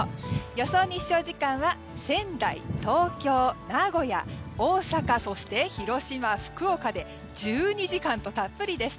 予想日照時間は仙台、東京、名古屋、大阪そして、広島、福岡で１２時間とたっぷりです。